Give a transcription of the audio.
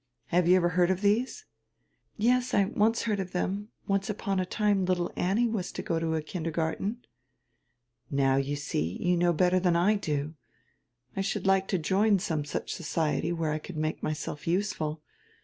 Have you ever heard of these!" "Yes, I once heard of them. Once upon a time little Annie was to go to a kindergarten." "Now you see, you know hetter than I do. I should like to join some such society where I can make myself useful.